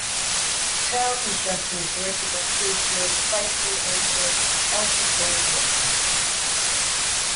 The tower construction is directed by Krug's most faithful android, Alpha Thor Watchman.